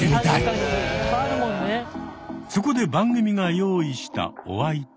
そこで番組が用意したお相手は。